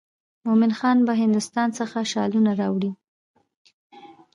مومن خان به هندوستان څخه شالونه راوړي.